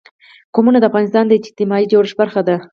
قومونه د افغانستان د اجتماعي جوړښت برخه ده.